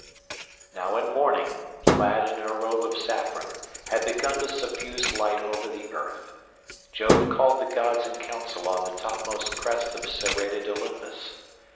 Now when Morning, clad in her robe of saffron, had begun to suffuse light over the earth, Jove called the gods in council on the topmost crest of serrated Olympus.